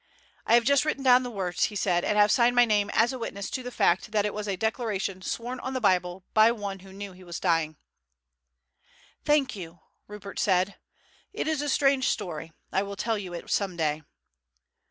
"I have just written down the words," he said, "and have signed my name as a witness to the fact that it was a declaration sworn on the Bible by one who knew that he was dying." "Thank you," Rupert said; "it is a strange story, I will tell you it some day."